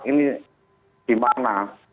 ini di mana